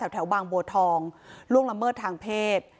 แถวบางบัวทองล่วงละเมิดทางเพศ